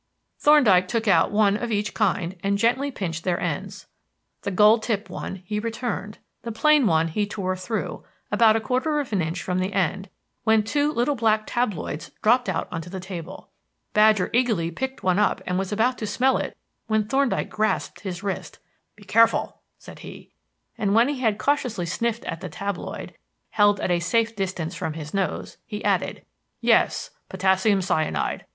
Thorndyke took out one of each kind and gently pinched their ends. The gold tipped one he returned; the plain one he tore through, about a quarter of an inch from the end; when two little black tabloids dropped out on to the table. Badger eagerly picked one up and was about to smell it when Thorndyke grasped his wrist. "Be careful," said he; and when he had cautiously sniffed at the tabloid held at a safe distance from his nose he added: "Yes, potassium cyanide.